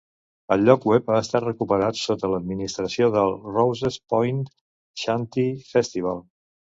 El lloc web ha estat recuperat sota l'administració del Rosses Point Shanty Festival.